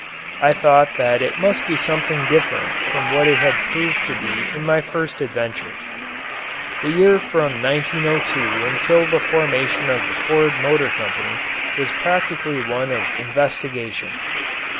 I thought that it must be something different from what it had proved to be in my first adventure. The year from 1902 until the formation of the Ford Motor Company was practically one of investigation.